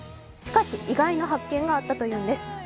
しかし、意外な発見があったというんです。